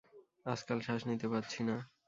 আজকাল শ্বাস নিতে পারছি না।